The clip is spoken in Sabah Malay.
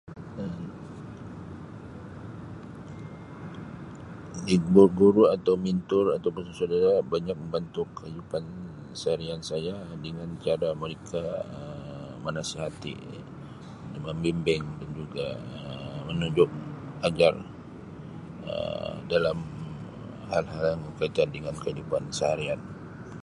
[unintelligible] Gu-guru atau mentor atau pun saudara banyak membantu kehidupan seharian saya dengan cara mereka Um menasihati, membimbing dan juga Um menunjuk ajar Um dalam Um hal-hal yang berkaitan dalam kehidupan seharian.